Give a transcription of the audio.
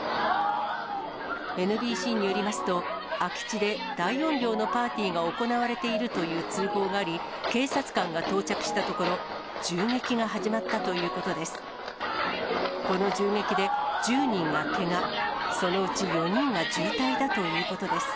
ＮＢＣによりますと、空き地で大音量のパーティーが行われているという通報があり、警察官が到着したところ、銃撃が始まったということです。